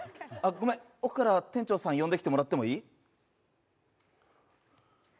ごめん、奥から店長さん呼んできてもらっていい？